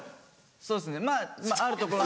そうですねまぁあるところに。